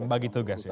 membagi tugas ya